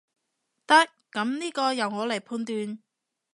得，噉呢個由我來判斷